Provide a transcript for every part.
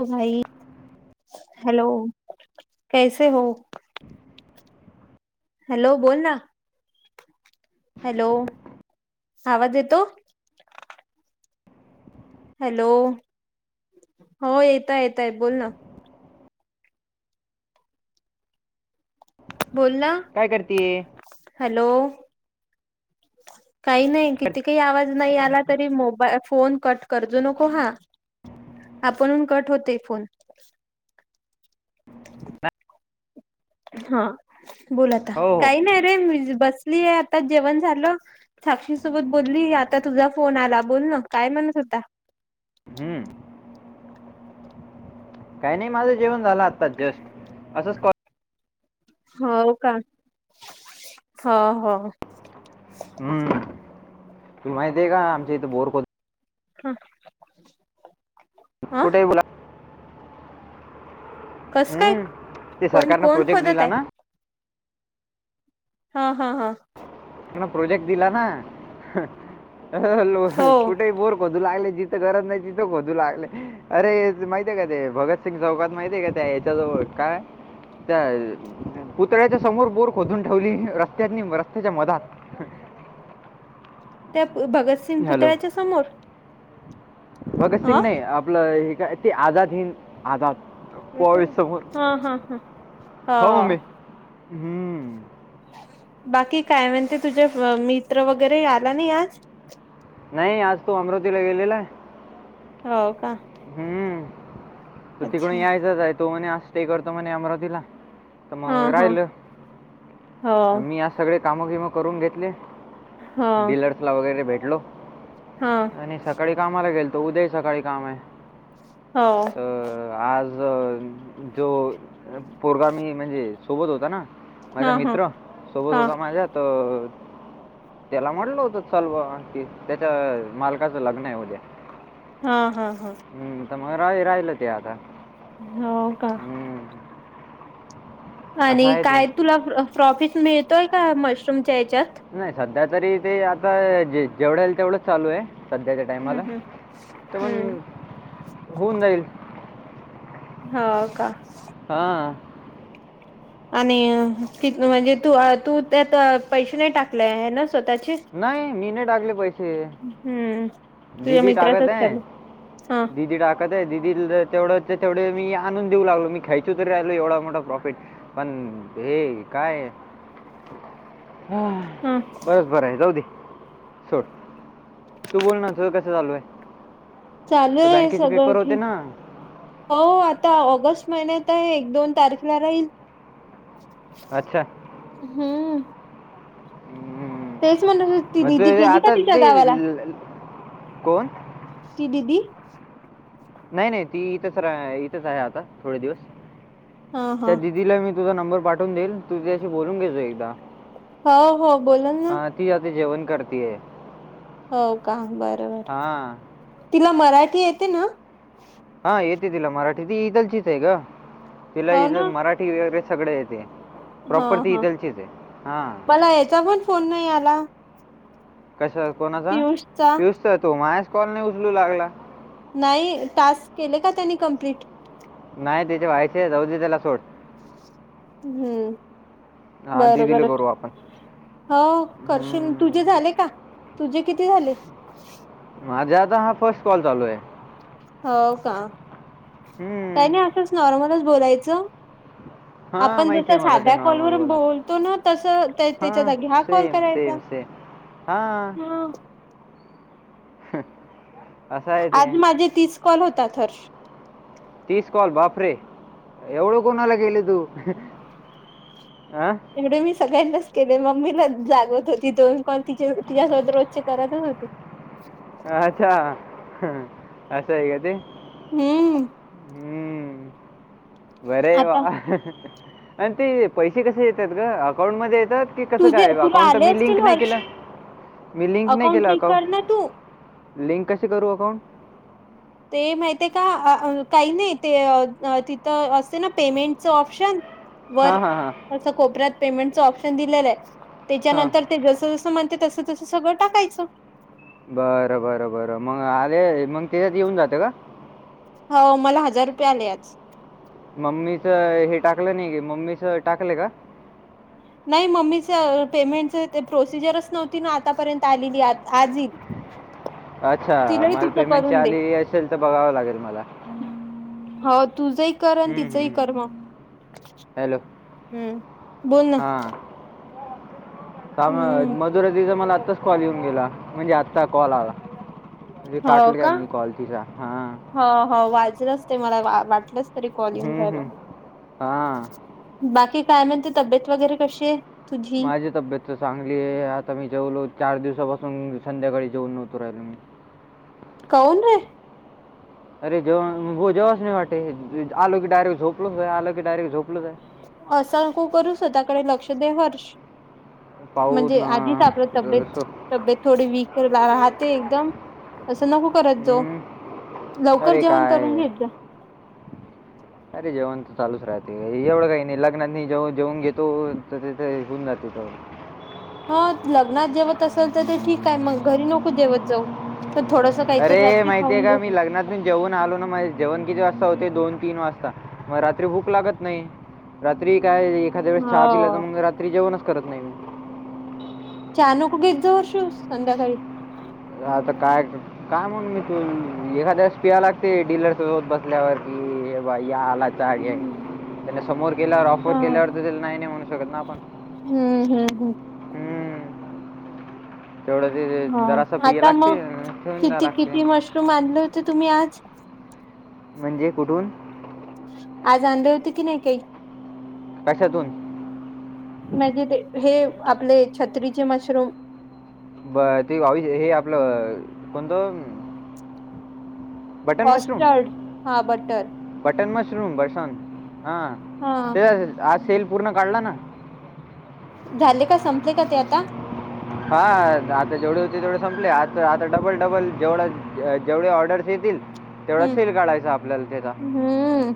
होअ भाई हॅलो कैसे होओ. - हॅलो बोल नां. - हॅलो आवाज येतो. - [unintelligible] हॅलो अ हो येतं येतय बोल नं. - बोल नां काय करते हॅलो. - काही नाही किती काही आवाज नाही आला तरी मोबा फोन कट करजो नको हा आपणहून कट होते फोन हाआ बोला आता, हो हो काही नाही रे मी बसलीआहे आता जेवण झालं. - साक्षी सोबत बोलली आता तुझा फोन आला, बोलन काय? म्हणत होता. - हूम्म काही नाही, माझं जेवण झालं आता जस्टं. - असंच [unintelligible] होव का? होव होवं. - हूम्म तुले माहतीय का आमच्या इथे बोरकत खोद्.. - हंअं. - कुठेअ बोला. - कसं काय? हम्म. ते कोण सरकारनं कोण प्रोजेक्ट खोदतं दिला हाय. ना - हां हां हां. - तूला प्रोजेक्ट दिला नां हं हहहल हो कुठे बोलू. - खधू लागले जिथं गरत नाही तिथं खधू लागले अरे तू माहित आय का ते भगत. - तटी चौकात माहितीय का त्या याच्याजवळ काय?. - त्याअ पुतळ्याच्या समोर बोर खोदून ठेवली रस्त्यात नी रस्त्याच्या मधात. - [inaudible] त्याअ भगतसिंग पुतळ्याच्या समोर. - भगत सिंग नाही, आपलं हे काय ते आझाद हिंद आझाद. - बाईस सोबत हा हा हा हाव मम्मी हो हूम्म्ं. - बाकीय काय? महणते तुझे मित्र वगैरे आला नाही आजं. - नाहीं आज तो अमरावतीला गेलेला आहे. - होवं कां?. - हम्म् तटीकोणी यायचाचंं आहे, तो म्हणे आज स्टे करतो म्हणे अमरावतीला. - हा तरमग हा राहिलं हो मी आज सगळे काम गीम करून घेतले. हो - डिलर्सला वगैरे भेटलो. - हांआ आणि सकाळी कामाला गेलतो. उद्या सकाळी काम -हाय. - होवं . तर आज जो पोरगा मी म्हणजे सोबत होता नां. - माझा हा हा मित्र सोबत हा होता, माझ्या तरअ त्याला म्हणलं होत चल बुवा आणखी त्याच्या मालकाचं लग्न हाय उद्या. हां हां हां. हम्म तर मग राह राहिल ते आता. होका? हं. असं आणि आहे ते. काय तुला प्रॉफिट मिळतोय का, मशरूमच्या याच्यात? नाही सध्या तरी ते आता जेवढं येईल, तेवढंच चालू आहे. सध्याच्या हम्म टाइमाला, हम्म तर हम्म मगं होऊन जाईल. हो का. हा. आणि ती म्हणजे तू तू त्यात पैसे नाही टाकले आहे ना स्वतःचे? नाही, मी नाही टाकले पैसे. हम्म तुझ्या दीदी टाकत मित्राचच आहे चालू हा दीदी टाक तेय, दिदीला तेवढं तेवढे मी आणून देऊ लागलो, मी खायचो तरी राहीलो एवढा मोठा प्रॉफिट. पण हे का. हा. हं. बस बरं आहे जाऊ दे, सोड. तू बोल ना, तुझं कसं चालू आहे? चालू तर आहे बँकेचे सगळं पेपर होते ठीक. ना हो आता ऑगस्ट महिन्यात आहे, एक दोन तारखेला राहील. अच्छा. हम्म. हम्म. तेच म्हणून [unintelligible] आता ते कोण? ती दीदी नाही नाही ती इथच रा इथंच आहे आता, थोडे दिवस. हा हा त्या दिदीला मी तुझा नंबर पाठवून देईल, तू त्याशी बोलून घेजा एकदा. हो हो, बोलोल ना. हां ती आता जेवण करती आहे. हो का, बर बर. हां तिला मराठी येते ना? हा येते तिला मराठी, ती इथलचीच आहे गं. तिला हो इथे ना मरा ठी वगैरे सगळे येते. हा प्रॉपर ती हा इथलचीच आहे. हा. मला याचा पण फोन नाही आला. कशा कोणाचा? पियुषचा पियूषचा, तो मायाच कॉल नाही उचलू लागला. नाही, टास्क केले का त्याने कम्प्लीट? नाही त्याचे व्हायचे आहे, जाऊ दे त्याला सोड. हम्म, हां बर दिदीला बर. करू आपण हो करशीन, तुझे झाले हम्म. का, तुझे किती झाले? माझ्या आता हा फर्स्ट कॉल चालू आहे. हो का. काही हम्म. नाही असंच नॉर्मलच बोलायचं. ह हा आपण माहिती जसं आहे मला, ते साध्या नॉर्मल कॉलवरून बोलायच. बोलतो ना तसं त्या हा, त्याच्या जागी कॉल सेम करायचा. Same same. हा. आज माझे तीस कॉल होतात हर्श. तीस कॉल बापरे, एवढं कोणाला केले तू? ह. एवढे मी सगळ्यांनाच केले, मम्मीला जागवत होती. दोन कॉल तिचे तिच्यासोबत रोजचे करतच होती. अच्छा, असं आहे का ते? हम्म. बर आहे वा आता आणि ते पैसे कसे येतात ग, अकाउंट मध्ये येतात ते कसं तुझे काय, तुला अकाउंट आले मी लिंक असतील नाही हर्ष केलं. मी लिंक नाही केलं अकाउंट. न तू लिंक कशी करू अकाउंट ते माहित आहे का काही नाही ते तिथं असते ना पेमेंटचं ऑप्शन वर हां हां हां अस कोपऱ्यात पेमेंटच ऑपशन दिलेलं आहे हां त्याच्यानंतर ते जस जसं म्हणते तस तसं सगळं टाकायचं बरं बरं बरं मग आले मग त्याच्यात येऊन जाते का हो मला हजार रुपये आले आज मम्मीच हे टाकलं नाही की मम्मीच टाकलं का नाही मम्मीच पेमेंटच ते प्रोसिजरच नव्हती ना आतापर्यंत आलेली आज अच्छा तिलाही मला तिचं पेमेंट करून दे आली असेल तर बघावं लागेल मला हो तुझं एक करण तिचंही कर्म हॅलो हम् बोल ना का हम्म मधुरा दिचा मला आत्ताच कॉल येऊन गेला म्हणजे आत्ता कॉल आला ते हो काटलं का घमी कॉलतीचा हा हो हो वाजलंच ते मला वाटलंच तरी कॉलम हम्म, रायला हम्म. हां बाकी काय म्हणते तब्येत वगैरे कशी आहे तुझी माझी तब्येत चांगली आहे आता मी जेवलो चार दिवसापासून संध्याकाळी जेऊन नव्हतो राहिल मी ह काऊन रे [inaudible] अरे जेवण जेवाच नाही वाटे आलो की डायरेक्ट झोपलच आहे आल की डायरेक्ट झोपलच आहे असं नको करू स्वतकडे लक्ष दे हर्ष म्हणजे पाहून आधीच आपलं तब्येत जसं तब्येत थोडी वीक राहते एकदम असं नको करत जाऊ हम्म. लवकर अरे जेवण करून काय घेत जा [inaudible] अरे जेवण तर चालच राहते एवढं काही नाही लग्नात जे्हा जेवण घेतो तर तेथे होेऊन जातो तेव ह लग्नात जेवत असेल तर ते ठीक आहे मग घरी नको जेवत जाऊ तर थोडस काहीतरी रात्री खाऊन झोय ण जेवण आलो ना म जेवण किती वाजता होते दोन तीन वाजता मग रात्री भूक लागत नाही रात्री काय एखाद्या वेळेस चहा पिला तर हो मग रात्री जेवणच करत नाही म चानूक घेत जा वर्षू संध्याकाळी आता काय काय म्हणून मी तू एखाद्यास पि लागते डीलरसोत बसल्यावर कि बा या आला त्या समोर केल्यावर हा ऑफर केल्यावर तरला नाही नाही म्हणू शकत ना आपण हम्म हम्म हम्म हम्म. तेवढं ते हा जरासं पिया आता मग लागते ठेवून द्या किती लागते किती मशरूम आणले होते तुम्ही आज म्हणजे कुठून आज आ आणध होते की नाही काही कशातून म्हणजे ते हे आपले छत्रीचे मशरूम ब ते आवी हे आपलं कोणतं बटन मशरूम ॉस्टर्ड हा बटर बटन मशरूम बसव हा हा त्या आज सेल पूर्ण काढला ना झाले का संपले का ते आता हा आता जेवढे होते तेवढे संपले आ आता डबल डबल जेवढ जेवढे ऑर्डर्स येतील तेवढा हम्म सेल काढायच आपल्याला तेथ हम्म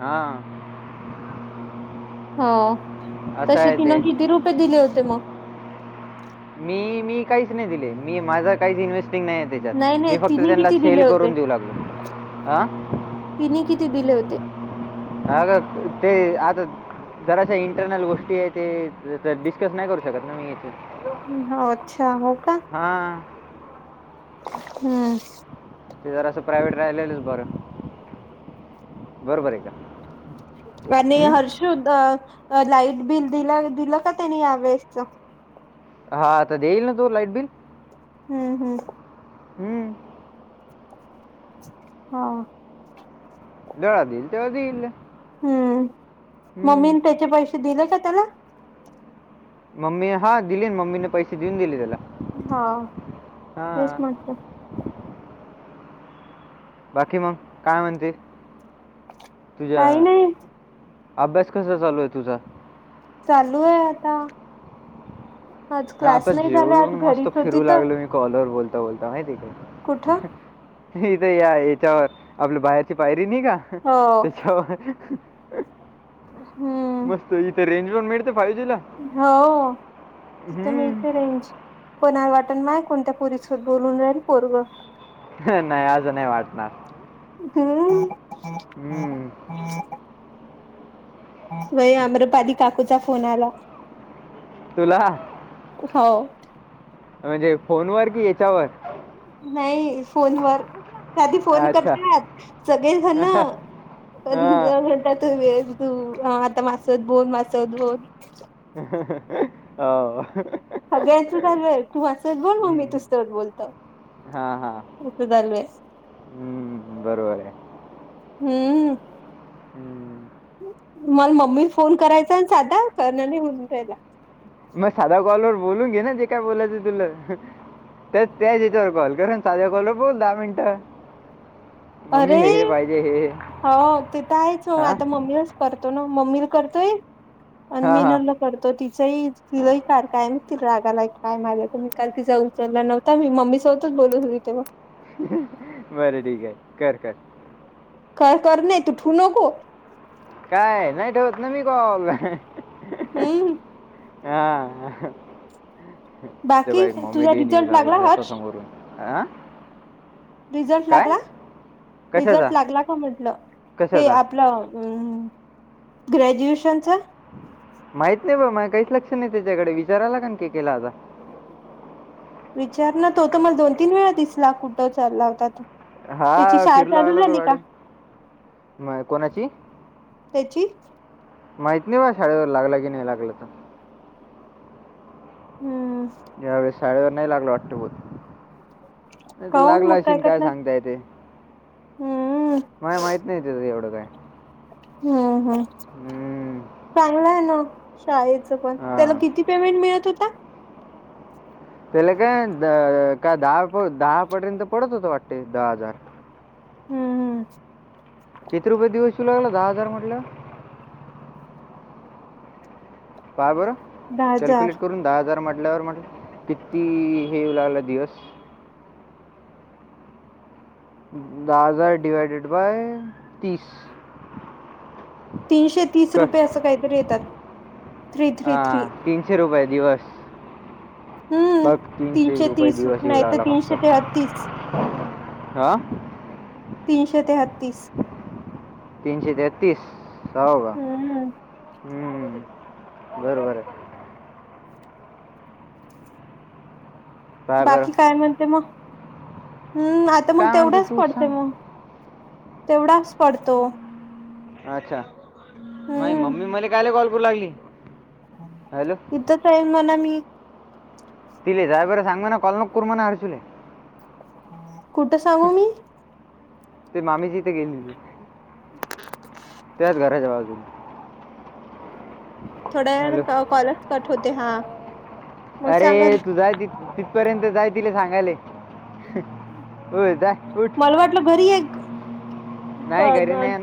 हा हो असं तसे आहे ते तिनं किती रुपये दिले होते मग मी मी काहीच नाही दिले मी माझा काहीच इन्व्हेस्टिंग नाही आहे नाही त्याच्यात नाही मी फक्त तिने त्यांना किती दिले सेल होते? करून देऊ लागलो आह तिने किती दिले होते अग ते आता जराशा इंटरनल गोष्टी आहे ते डिस्कस नाही करू शकत ना मी इथे हो अच्छा हो का हां हम्म ते जरा असं प्रायव्हेट राहिलेलंच बरं बरोबर आय का म नाही हं? हर्ष [inaudible] अ लाईट बिल दि दिलं का त्यांनी यावेेळेसच हा तर देईल ना तो लाईट बिल हम्म हम्म हम्म हा जवा देईल तवा देईल हम्म हं. मम्मीने त्याचे पैसे दिले का त्याला मम्मी हा दिली मम्मीने पैसे देऊन गेली त्याला हा तेच हां म्हण बाकी मग काय म्हणते तुझ्या काही नाही अभ्यास कसा चालू आहे तुझा चालू आहे आता आज क्लास नाही झाला आज घरीच होती तर कॉलर बोलता बोलता माईतिये का कुठं हित या हेच्यावर आपली बाहेरची पायरी नाइ का हो त्याच्यावर हम्म मस्त इथे रेंज रोन मिळते फाय्ह जी ला होऊ तिते मिळते रेंज कोणा वाटण माय कोणत्या पुरीस बोलून राहील पोरगं नाइ अस नाइ वाटणार हम्म हे अम्रपाली काकूचा फोन आला तुला हो म्हणजे फोन वर कि येच्यावर नाही फोनवर आधी फोन अच्छा करतात सगळे झाण हां पण म्हणतात वेळ तू आता मासवत बोल मासवत बोल हो सगळ्याचं चालं आहे तू माझ्यासोबत बोल मी तुसोबत बोलत हां हां इथे चालू आहे बरोबरय हम्म हम्म मला मम्मी फोन करायचा साधा करणार नाही म्हणून त्यायला मग साधा कॉलवरर बोलून घे ना जे काय बोलायचं तुला त्या त्या याच्यावर कॉल कर ना साध्या कॉलवर बोल दहा मिनिटं अरे हे हे हो तेिथ आहेच हो हा आता मम्मी करतो ना मम्मी ल करतोय आणि हा हा मीना ल करतो तिचंही तिलाही कार काय म ति रागालाय काय माझा तर मी का तिचा उचलला नव त्या मी मम्मीसोबतच बोलत हो तेव्हा बरं ठीक आय कर कर कॉल करणे तू ठिवू नको काय नाइ ठेवत ना मी कॉल हम्म हा ते बाकी बाई तुझा मॉमेडीयन येऊू रिझल्ट लागला [unintelligible] हर्ष समोरून अ रिझल्ट लागला कशाचा रिझल्ट लागला का म्हटलं हे कशाचा आपलं अम् ग्रॅज्युएशनच माहित नाही बा काहीच लक्ष नाही त्याच्याकडे विचारायला काण की केला आता विचार ना तो त मला दोन तीन वेळा दिसला कुठं चाललावता त त्याची हा शाळा फिरू चालू लागला तो झाली का गाडी म कोणाची. त्याची माहत नाही बा शाळेवर लागलं की नाही लागलं तर. हम्म. यावेळेस शाळेवर नाही लागल वाट्टभूत. नाही त काऊन लागला मग अशन काय करणार सांगताय ते हम्म माहित नाही त. एवड काय. हम्म हम् हम्म, चांगलं आहे ना. शाळेचं पण त्याला हा किती पेमेंट मिळत हो. त्याला काय का दहा दहा पर्यंत पडत होत वाटतेे दहा हजार. हम्म किती रुपये दिव श लागला दहा हजार म्हटल्या. पाहा बरं दहा कॅल्क्युलेट हजार करून. दहा हजार म्हटल्यावर म्हट किती हेऊ लागला दिवस. दहा हजार डिवायडेड बाय तीस तीनशे तीस कर रुपये असं काहीतरी येतात थ्री थ्री थ्री रुपय दिवस. हम्म बग तीनशे रुपये तीस दिवस येऊ नाही तर लागला फक्त तीनशे तेहतीस हा तीनशे तेहतीस. तीनशे तेहतीस सव का हम्म हम् बरोबर आहे. बाकी काय म्हणते मग हम् आता मग काय म्हणते तेवढाच तू पडते मग. सांग तेवढाच पडतो. अच्छा नाही हम्म मम्मी मला कायला कॉल करू लागली. हॅलो इथंच आहे म्हणा मी. तिले जायर सांग ना कलनक कू म्हणा हरसुले. कुठं सांगू मी. ते मामी जीथे गेली. त्याच घराच्या बाजून. थोड्याण कॉलर्स कट होते हा. मग सांगाल अरे तुझा त. पर्यंत जाय तिला सांगाले हो जा उठ. मला वाटलं घरी आहे. नाही घरी नाही ना.